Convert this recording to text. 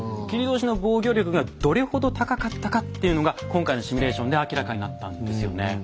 切通の防御力がどれほど高かったかっていうのが今回のシミュレーションで明らかになったんですよね。